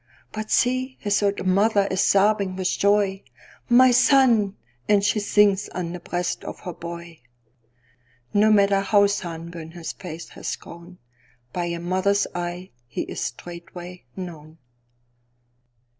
But see, his old mother is sobbing with joy:"My son!"—And she sinks on the breast of her boy.No matter how sunburnt his face has grown, By a mother's eye he is straightway known.